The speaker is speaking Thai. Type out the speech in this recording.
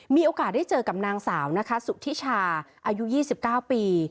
มีโอกาสได้เจอกับนางสาวนะคะสุธิชาอายุ๒๙ปี